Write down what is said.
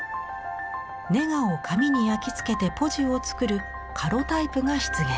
ネガを紙に焼きつけてポジを作るカロタイプが出現。